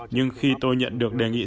nhưng khi tôi nhận được đề nghị